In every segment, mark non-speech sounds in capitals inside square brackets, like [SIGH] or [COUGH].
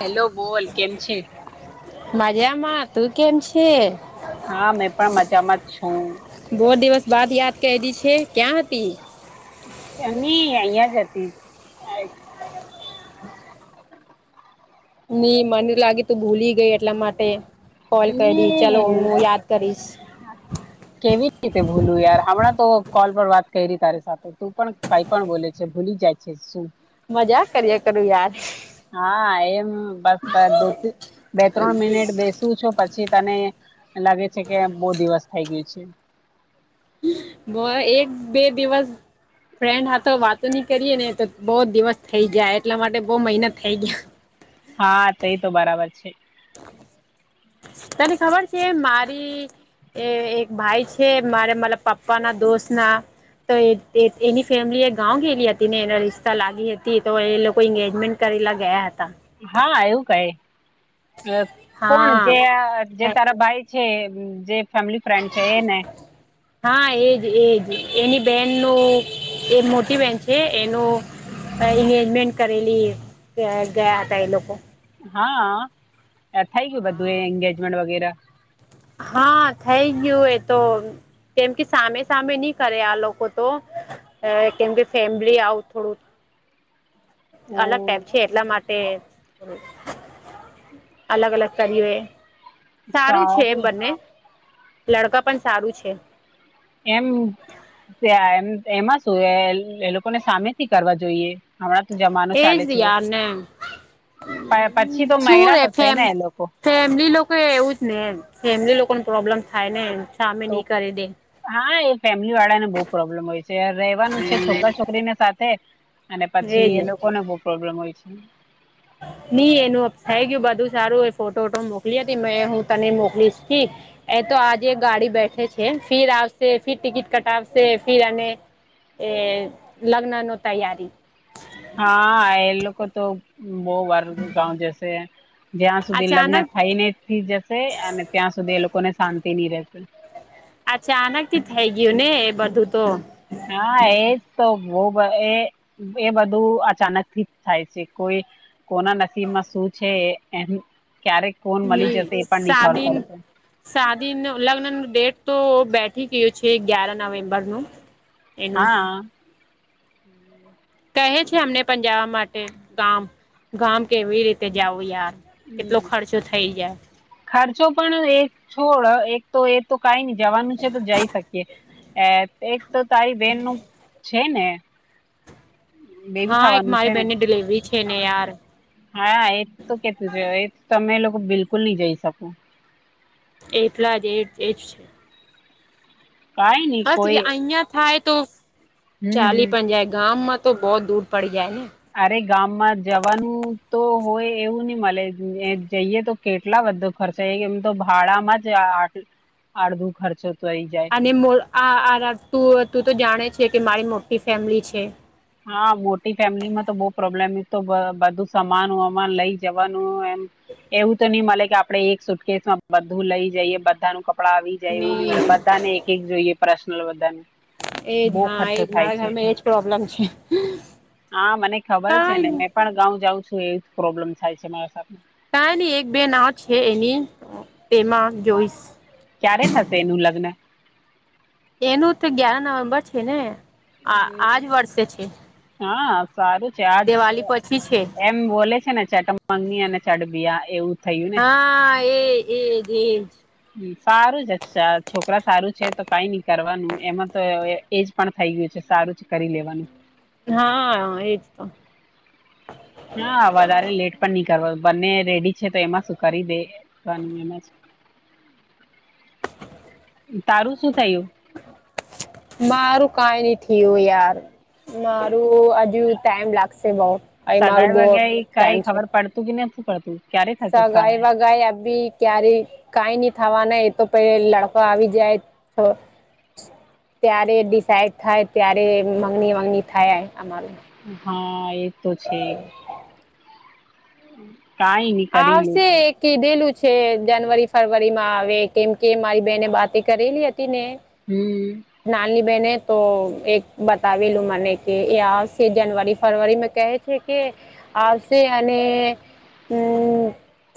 Hello બોલ કેમ છે માજામાં તું કેમ છે હા મેં પણ મજામાં જ છું. બો દિવસ બાદ યાદ કયરી છે ક્યાં હતી? કા નઈ અહયા જ હતી. નઈ મને લાગે તું ભૂલી ગઈ એટલા માટે કોલ કયરી ચલો ની હું યાદ કરીશ. કેવી રીતે ભૂલું યાર હમણાં તો કોલ પર વાત કયરી તારી સાથે તું પણ કઈ પણ બોલે છે ભૂલી જાય છે શું મજાક કર્યા કરું યાર હા એમ બસ પ દો તી બે ત્રણ મિનિટ બેસું છું પછી તને લાગે છે કે બો દિવસ થઇ ગયું છે. બો એક બે દિવસ ફ્રેન્ડ હાતો વાતો ની કરીએ ને તો બો દિવસ થઈ જાય એટલા માટે બો મહિના થઈ ગીયા હા તે તો બરાબર છે. તને ખબર છે મારી એ એક ભાઈ છે મારે માલા પપ્પા ના દોસ્ત ના તો એ ત એત એની ફેમિલી એ ગાવ ગેલી હતી ને એના રિશ્તા લાગી હતી તો એ લોકો ઇંગેજમેન્ટ કરેલા ગયા હતા. હા એવું કાંઈ અહ કોણ હા જે આ જે તારા ભાઈ છે જે ફેમિલી ફ્રેન્ડ છે એને હા એજ એજ એની બેન નો એ મોટી બેેન છે એનો અહ ઇંગેજમેન્ટ કરેલી ગયા ગયા હતા એ લોકો. હા આ એ થઈ ગ્યું બધું એ ઇંગેજમેન્ટ વગેરા હા થઈ ગ્યું એ તો કેમ કે સામે સામે ની કરે આ લોકો તો અહ કેમ કે ફેમિલી આવું થોડું ઓ અલગ ટાઈપ છે એટલા માટે અલગ અલગ કરીયું એ સારું છે બંને લડકા પણ સારું છે. એમ ત્યાં એમ એમાં શું એ એ લોકોને સામે થી કરવા જોઈએ. હમણાં તો જમાનો એજ ચાલે છે. યાર ને પાયા પછી તો શું મેયડા રે હશે ફેમ ને એ લોકો ફેમિલી લોકો એવું જ ને એમ ફેમિલી લોકોને પ્રોબ્લેમ થાય ને સામે તો નહી કરી દે હા એ ફેમિલી વાળા ને બહુ પ્રોબ્લેમ હોય છે રહેવાનું છે છોકરા છોકરીને સાથે અને એજ પછી એ લોકોને બો પ્રોબ્લેમ હોય છે. ની એનું અપ થઈ ગયું બધું સારું એ ફોટો વોટો મોકલી હતી મે હું તને મોકલીશ થી એ તો આજે એક ગાડી બેઠે છે ફિર આવશે ફિર ટિકિટ કટાવશે ફિર અને એ લગ્નનો તૈયારી હા એ લોકો તો બો વાર ગાવ જસે. જ્યાં સુધી લગ્ન અચાનક થઈ ને થી જશે અને ત્યાં સુધી એ લોકોને શાંતિ ની રહેશે અચાનકથી થઈ ગ્યું ને એ બધું તો હા એજ તો બો બહ એ એ બધું અચાનકથી જ થાય છે કોઈ કોના નસીબમાં શું છે એમ ક્યારે કોણ મલી જશે એ પણ નઈ ખબર પડશે સાદી નવ લગ્નનું ડેટ તો બેઠી ગયો છે ગ્યારા નવેમ્બરનું હા, હમ્મ. કહે છે અમને પણ જાવા માટે ગામ, ગામ કેવી રીતે જવું યાર? કેટલો હમ. ખર્ચો થઈ જાય. ખર્ચો પણ એક છોડ એક તો એ તો કાંઈની જવાનું છે તો જઈ શકીએ, એકતો તારી બેનનું છે ને. બેબી હા એક થવાનું છે મારી ને બેહેનની ડિલવરી છે ને યાર હા એ તો કેતું છે એ તમે લોકો બિલકુલ ની જઈ શકો એટલા જ એજ એજ સ કઈ નહી બસ ઈ કોઈ અહીંયા થાય તો હમ હમ ચાલી પણ જાય ગામમાં તો તો બોવ દૂર પડી જાય ને અરે ગામમાં જવાનું તો હોય એવું ની મલે એમ જઈએ તો કેટલા બધો ખર્ચો એમ તો ભાડામાં જ અડધો ખર્ચો તો થઈ જાય ની બોલ આ તું તો જાણે છે કે મારી મોટી ફેમિલી છે હા મોટી ફેમિલી માં તો બોવ પ્રોબ્લેમ એક તો બધું સમાન વમાન લઈ જવાનું એવું તો નઈ મળે કે આપડે એક સુટકેસન બધુંલય જઈએ બધાનુ કપડા આવી જાય ને એવું નહી મલે બધાને એક એક જોઈએ પર્સનલ બધાને એજ બહુ હા એજ ખર્ચો થાય મારા છે ઘરમાં એજ પ્રોબ્લેમ છે હા મને ખબર છે કઈ ને નઈ મેં પણ ગાઉં જાઉં છું એવું જ પ્રોબ્લેમ થાય છે મારા સાથે કઈ ની એક બે ના [UNINTELLIGIBLE] છે એની તેમાં જોઈશ ક્યારે થશે એનું લગ્ન? એનું તો ગ્યાન આમાં છે ને આ આજ વર્ષે છે હા સારું છે આજ દિવાળી એમ પછી છે એમ બોલે છે ને ચટ મગની અને ચડબીયા એવું થયું ને હા એ એ એ સારું છે જ અ છોકરા સારું છે તો કઈ નઈ કરવાનું એમાં તો એજ પણ થઈ ગયું છે સારું જ કરીલેવાનું હા એજ તો હા વધારે લેટ પણ નહી કરો બંને રેડી છે તો એમાં શું કરી દે એ હમ [INAUDIBLE] તારું શું થયું? મારું કઈ નહી થયું યાર મારું હજુ ટાઈમ લાગશે બઉ હજુ મારે સગાઈ બોવ વગાઈ ટાઈમ કઈ છે ખબર પડતું કે નથ પડતું? ક્યારે થશે સગાઈ વગાય અબી ક્યારેય કાંઈ નઈ થવા નો એ તો પે લડકો આવી જાય તો ત્યારે ડિસાઈડ થાય ત્યારે મગની વાગની થાય અમારું હા એ તો છે [UNINTELLIGIBLE] કાંઈની આવશે કીધેલું છે કે જનવરી ફરવરી માં આવે કેમ કે મારી બેહેને બાતે કરેલી હતી ને હમ નાનલી બહેને તો એક બતાવી લું મને કે આ સિઝન જનવરી ફરવરી મે કહે છે એકે આવશે અને હમ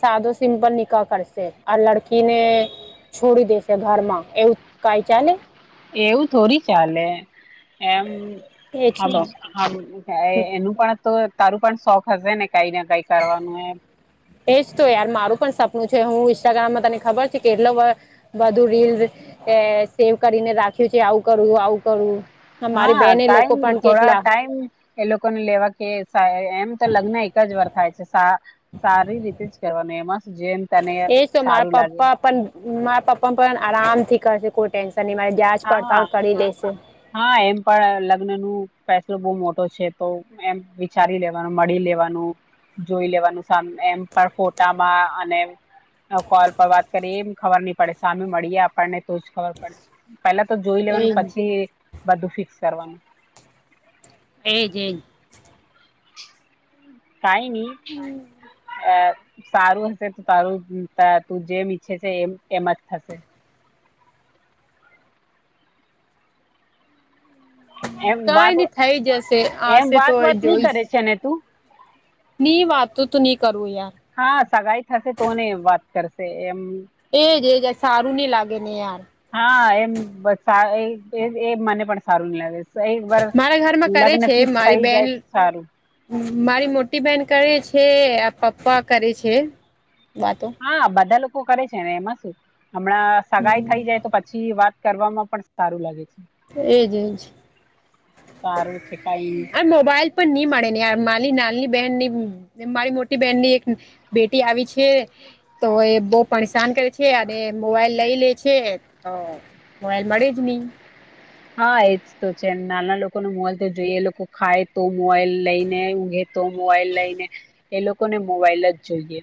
સાદો સિમ્પલ નિકા કરશે આ લડકીને છોડી દેશે ઘરમાં એવું કઈ ચાલે? એવું થોડી ચાલે એમ એજ તો હા એનું પણ તો તારું પણ શોખ હશે ને કઈ ને કઈ કરવાનું એ એજ તો યાર મારું પણ સપનું છે હું ઇન્સ્ટાગ્રામમાં તને ખબર છે કેટલો બધું રીલ સેવ કરીને રાખ્યું છે આવું કરું આવું કરવું હા ટાઈમ ની થોડા ટાઈમ એ લોકોને લેવા કે એમ તો લગ્ન એક જ વાર થાય છે સારી રીતે જ કરવાની એમાં જ એજ તો મારે પપા પણ મારા પપ્પા પણ આરામ થી કરશે કોઈ ટેન્શન નહી મારી જાંચ હા પડતાળ કરી લેશે હા એમ પણ લગ્ન નું ફેસલો બહુ મોટો છે તો એમ વિચારી લેવાનું મળી લેવાનું જોઈ લેવાનું સમ એમ પણ ફોટામાં અને કોલ પર વાત કરીએ ખબર નહી પડે સામે આપણને તો જ ખબર પડે પેલા તો જોઈ લેવાનું એજ પછી બધું ફિક્સ કરવાનું એજ એજ કાઈ ની અ સારું હશે તો તારું તું જેમ ઈચ્છે છે એમ એમ જ થશે એમ કઈ વાત ની થઈ જશે એમ આવશે વાત તો વાત નહી જોઈસ કરે છે ને તું ની વાતું તું ની કરવું યા હા સગાઈ થશે તોને વાત કરશે એમ એજ એજ આ સારું ની લાગે ને યાર હા એમ બસા એ એજ મને પણ સારું ન લાગે એક વાર મારા ઘરમાં લગ્ન ફિક્સ થઈ જાય તો સારું હમ મારી મોટી બહેન કરે છે આ પપ્પા કરે છે વાતો હા બધા લોકો કરે છે ને એમાં શું હમણાં સગાઈ હમ થઈ જાય તો પછી વાત કરવામાં પણ સારું લાગે છે એજ એજ સારું છે કઈ અને મોબાઈલ પણ ની મળે ને યાર મારી નાની બહેન ની મારી મોટી બહેન ની એક બેટી આવી છે તો એ બો પરેશાન કરે છે. છે અને મોબાઈલ લઈ લે છે તો મોબાઈલ મળે જ ની હા એજ તો છે નાના લોકો ને મોલથી જોઈએ એ લોકો ખાય તો મોવાઈલ લઈને ઊઘે તો મોવાઈલ લઈને એ લોકોને મોબાઈલ જ જોઈએ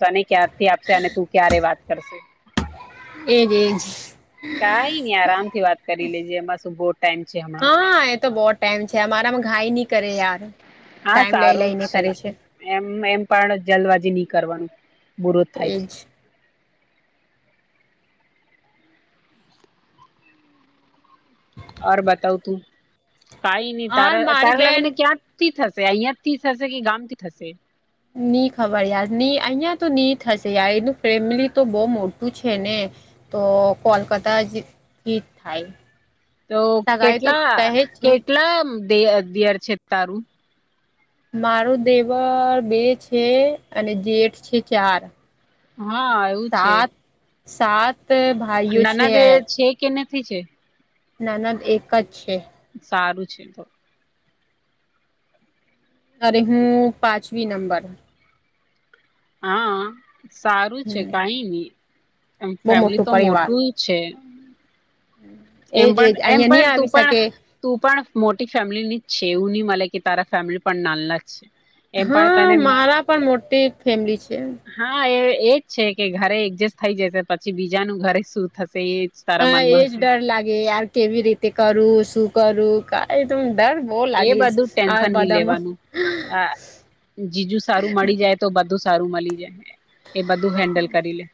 તને ક્યારથી આપશે અને તું ક્યારે વાત કરશે એ જ એ જ કાઈ ની આરામથી વાત કરી લેજે એમાં શું બોટ [UNINTELLIGIBLE] હા એ તો બો ટાઈમ છે અમારામાં ઘાઈ ની કરે યાર હા ટાઈમ લઈ સારું જ લઈને છે કરે એમ એમ પણ જલબાજી ની કરવાનું બુરો થાય છે એજ ઓર બતાવ તું કઈ નહી હાર તારા મારી તારા બેન લગ્નને ક્યાં થી થશે અહિયાંથી થશે કે ગામ થી થશે ની ખબર યાર ની અહિયાં તો ની થશે યાર એનું ફેમિલી તો બહુ મોટું છે ને તો કોલકાતા જ હિટ થાય તો સગાઈ તો કેટલા કહે છે કેટલા દિયર છે તારું મારું દેવર બે છે અને જેઠ છે ચાર હા એવું છે સાત સાત ભાઈઓ અ છે નનદે છે કે નથી છે. નનદ એક જ છે. સારું છે તો. અરે હું પાંચમી નંબર. હા સારુ છે હમ કાઈ ની એમ બહુ ફેમિલી તો પરિવાર મોટું છે. એજ એમ પણ એજ એમ અહિયાં ની પણ તું આવી પણ શકે. તું પણ મોટી ફેમિલીની જ છે એવું નહી મલે કે તારા ફેમિલી પણ નાલ્લા હા મારા પણ મોટી ફેમિલી છે. હા એ એજ છે કે ઘરે એડજસ્ટ થઈ જશે પછી બીજાનું ઘરે શું થશે એ તારા હા મનમાં એજ હશે ડર લાગે યાર કેવી રીતે કરું શું કરું કાઈ તો ડર બહુ એ લાગે બધું આ ટેન્શન નહી બધામાં લેવાનું, હા જીજું સારું મળી જાય તો બધું સારું મલી જાય, એ બધું હેન્ડલ કરી લે.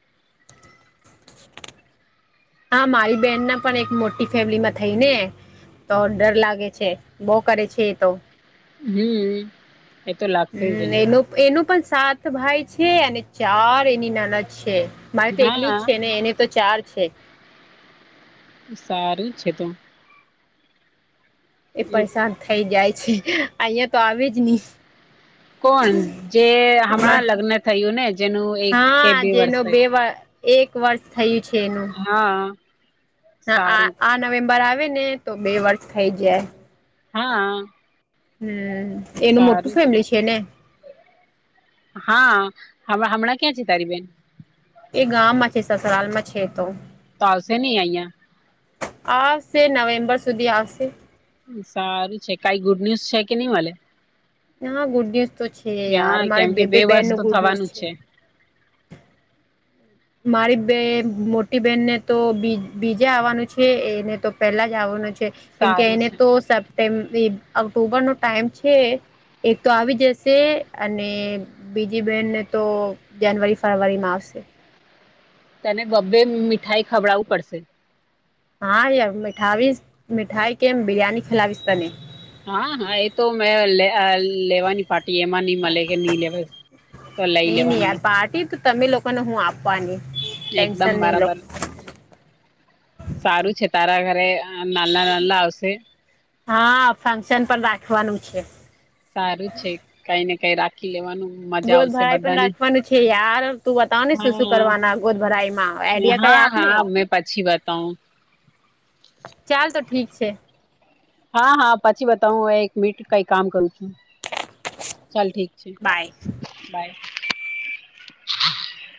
હા મારી બેહેનના પણ એક મોટી ફેમિલીમાં થઈ ને! તો ડર લાગે છે બઉ કરે છે એ તો. હમ્મ. હમ એનું એનું પણ સાત ભાઈ છે અને ચાર એની નાના છે. મારે તો એકલી હા જ છે ને એને તો ચાર છે. સારું છે તો. એ પરેશાન થઈ જાય છે અહંયા તો આવે નહી. કોણ? જે હમણાં લગ્ન થયું ને જેનું એક કે હા બે વર્ષ જેનો થાય. બે એક વર્ષ થયું છે એનું. હા. હા આ સારું આ નવેમ્બર આવે ને તો બે વર્ષ થઈ જાય. હા. હમ એનું મોટું સારું જ ફેમિલી છે ને? હા, હમા હમણાં ક્યાં છે તારી બેન? એ ગામમાં છે સસરાલમાં છે તો. ફાવસે ની આઈયા. આવશે નવેમ્બર સુધી આવશે. સારું છે કઈ ગુડ ન્યુઝ છે કે નઈ મલે? હા ગુડ ન્યુઝ તો છે યાર હા મારે કેમ બે કે બે બેન વર્ષ નો તો ગુડ ન્યુઝ થવાનું જ છે. મારી બે મોટી બહેનને તો બી બીજા આવવાનું છે એને તો પેલા જ આવવાનું છે. કેમ કે સારું એને છે તો સપ્ટેમ્ ઓક્ટોબરનો ટાઈમ છે, એ તો આવી જશે અને બીજી બહેનને તો જાનવરી ફરવરીમાં આવશે. તેને બબ્બે મીઠાઈ ખવડાવું પડશે. હા યાર મિઠાવીશ મિઠાઈ કેમ બિરિયાની ખલાવીશ તને. હા હા એ તો મેં લે લેવાની પાર્ટી એમાં નઈ મળે કે નહી લેવા. તો લઈ નઈ નઈ લેવાની યાર મે પાર્ટી તો તમે લોકોને હું આપવાની એકદમ ટેન્શન નહી લો. બરાબર સારું છે તારા ઘરે નાલ્લા નાલ્લા આવશે. હા ફંક્શન પણ રાખવાનું છે. સારું છે કંઈ ને કઈ રાખી લેવાનું. મજા ગોદ આવશે ભરાઈ પણ બધાને રાખવાનું છે યાર તું બતાવ ને શું શું હા કરવાના ગોદ ભરાઈમાં આઈડિયા કઈ હા આપ ને? હા મેં પછી બતાવું. ચાલ તો ઠીક છે. હા હા પછી બતાવું એક મીટ કઈ કામ કરું છું. ચાલ ઠીક છે બાય બાય.